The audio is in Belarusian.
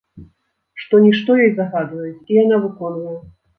Што-нішто ёй загадваюць, і яна выконвае.